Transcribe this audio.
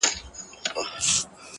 چي زه به څرنگه و غېږ ته د جانان ورځمه ـ